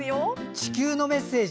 地球のメッセージ？